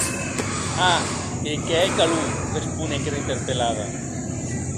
A!, qu’ei que hè calor, responec era interpelada.